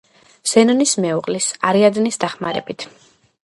ზენონის მეუღლის არიადნეს დახმარებით.